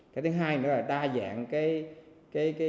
cái thứ hai nữa là đa dạng cái